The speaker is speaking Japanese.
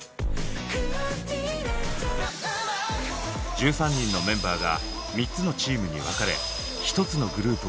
１３人のメンバーが３つのチームに分かれ１つのグループを作る。